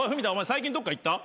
最近どっか行った？